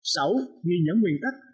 bảy nguyên nhấn nguyên tắc